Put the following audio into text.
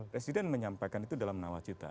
presiden menyampaikan itu dalam nawacita